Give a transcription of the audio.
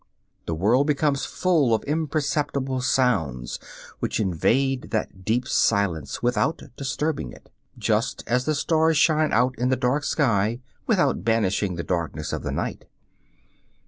The world becomes full of imperceptible sounds which invade that deep silence without disturbing it, just as the stars shine out in the dark sky without banishing the darkness of the night.